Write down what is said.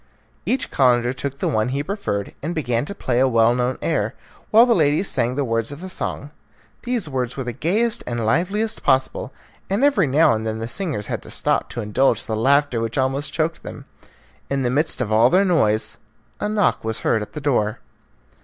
Each Calender took the one he preferred, and began to play a well known air, while the ladies sang the words of the song. These words were the gayest and liveliest possible, and every now and then the singers had to stop to indulge the laughter which almost choked them. In the midst of all their noise, a knock was heard at the door.